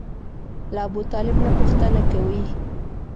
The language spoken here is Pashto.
له ابوطالب نه پوښتنه کوي.